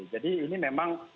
jadi ini memang